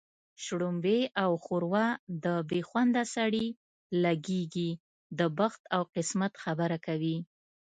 شلومبې او ښوروا د بې خونده سړي لږېږي د بخت او قسمت خبره کوي